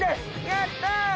やった！